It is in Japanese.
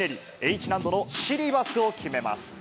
Ｈ難度のシリバスを決めます。